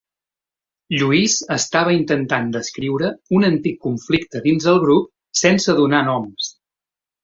Luis estava intentant descriure un antic conflicte dins el grup sense donar noms.